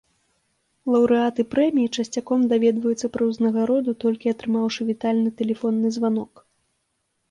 Лаўрэаты прэміі часцяком даведваюцца пра ўзнагароду толькі атрымаўшы вітальны тэлефонны званок.